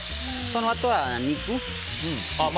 そのあとは肉。